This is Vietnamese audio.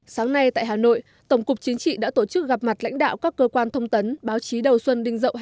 sáng nay tại hà nội tổng cục chính trị đã tổ chức gặp mặt lãnh đạo các cơ quan thông tấn báo chí đầu xuân đinh dậu hai nghìn hai